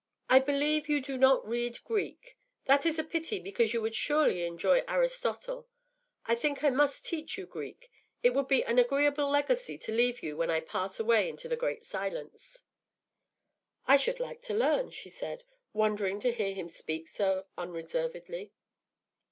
I believe you do not read Greek. That is a pity, because you would surely enjoy Aristotle. I think I must teach you Greek; it would be an agreeable legacy to leave you when I pass away into the Great Silence.” “I should like to learn,” she said, wondering to hear him speak so unreservedly.